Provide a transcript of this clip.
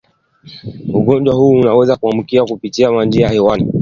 ugonjwa huu unaweza kuambukizwa kupitia majimaji ya hewani